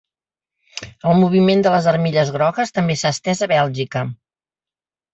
El moviment de les armilles grogues també s’ha estès a Bèlgica.